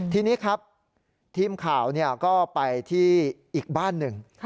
ทีนี้ครับทีมข่าวก็ไปที่อีกบ้านหนึ่ง